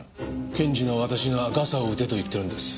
検事の私がガサを打てと言ってるんです。